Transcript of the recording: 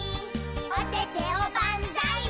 「おててをばんざーい」